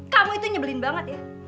kamu itu nyebelin banget ya